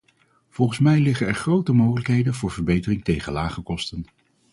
Volgens mij liggen er grote mogelijkheden voor verbetering tegen lage kosten.